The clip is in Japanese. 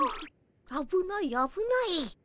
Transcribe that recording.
あぶないあぶない。